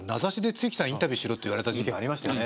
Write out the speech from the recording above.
露木さんインタビューしろって言われた事件ありましたよね。